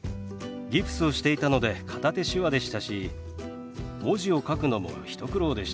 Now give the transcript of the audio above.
ギプスをしていたので片手手話でしたし文字を書くのも一苦労でした。